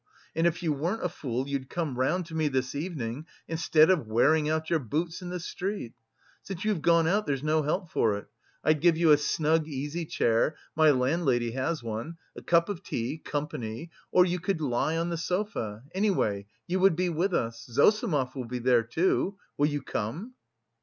and if you weren't a fool you'd come round to me this evening instead of wearing out your boots in the street! Since you have gone out, there's no help for it! I'd give you a snug easy chair, my landlady has one... a cup of tea, company.... Or you could lie on the sofa any way you would be with us.... Zossimov will be there too. Will you come?"